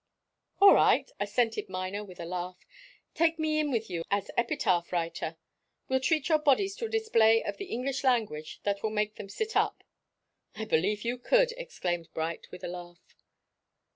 "All right," assented Miner, with a laugh. "Take me in with you as epitaph writer. I'll treat your bodies to a display of the English language that will make them sit up." "I believe you could!" exclaimed Bright, with a laugh.